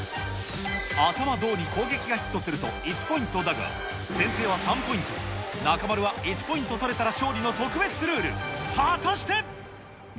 頭、胴に攻撃がヒットすると１ポイントだが、先生は３ポイント、中丸は１ポイント取れたら勝利の特別ルール。